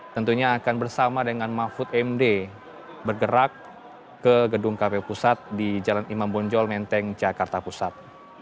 tentunya akan bersama dengan mahfud md bergerak ke gedung kpu pusat di jalan imam bonjol menteng jakarta pusat